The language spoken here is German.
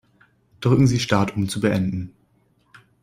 Drücken Sie Start, um zu beenden.